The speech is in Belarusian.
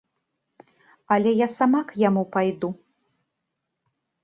Але я сама к яму пайду.